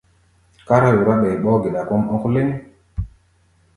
Kárá yorá, ɓɛɛ ɓɔ́ɔ́-geda kɔ́ʼm ɔ̧́k léŋ.